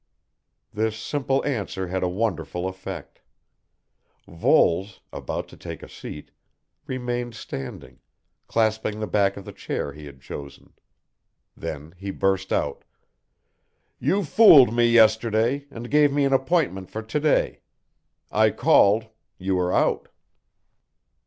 This simple answer had a wonderful effect. Voles, about to take a seat, remained standing, clasping the back of the chair he had chosen. Then he burst out. "You fooled me yesterday, and gave me an appointment for to day. I called, you were out."